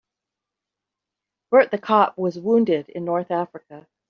Bert the cop was wounded in North Africa.